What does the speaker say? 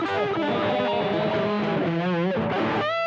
น้องไอซ์หาอะไรลูก